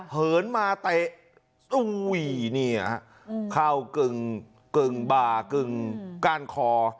เหินมาเตะอุ้ยเนี่ยเข้ากึ่งบ่ากึ่งก้านคอ